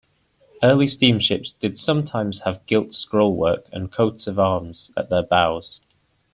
Early steamships did sometimes have gilt scroll-work and coats-of-arms at their bows.